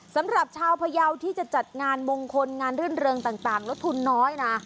สำหรับชาวพยาวที่จะจัดงานมงคลงานรื่นเริงต่างลดทุนน้อยนะ